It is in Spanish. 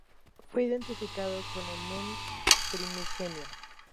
Fue identificado con el "Nun" primigenio.